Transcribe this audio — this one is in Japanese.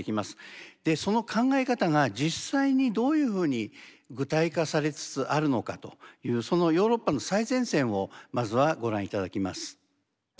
でその考え方が実際にどういうふうに具体化されつつあるのかというそのヨーロッパの最前線をまずはご覧頂きます。